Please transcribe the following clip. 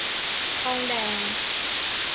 ทองแดง